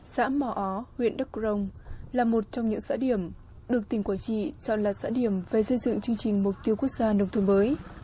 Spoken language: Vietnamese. xã mò ó huyện đắk rồng là một trong những xã điểm được tỉnh quảng trị chọn là xã điểm về xây dựng chương trình mục tiêu quốc gia nông thôn mới